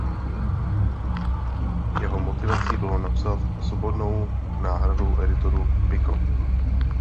Jeho motivací bylo napsat svobodnou náhradu editoru Pico.